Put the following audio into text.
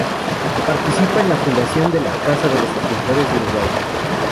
Participa en la fundación de la "Casa de los escritores" de Uruguay.